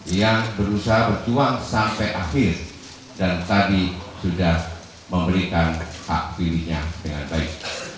yang berusaha berjuang sampai akhir dan tadi sudah memberikan hak pilihnya dengan baik